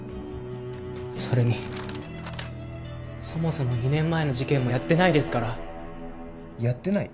それにそもそも２年前の事件もやってないですからやってない？